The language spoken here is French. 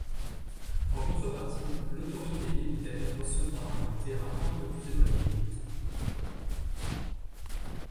En contrepartie l'autorité militaire recevra un terrain un peu plus éloigné.